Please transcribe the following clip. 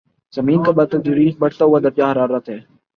زمین کا بتدریج بڑھتا ہوا درجۂ حرارت ہے